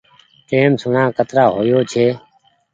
ٽيم سوڻا ڪترا هويو ڇي